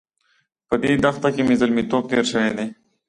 په دې دښته کې مې زلميتوب تېر شوی دی.